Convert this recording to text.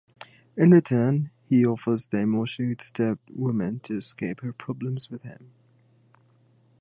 In return, he offers the emotionally disturbed woman to escape her problems with him.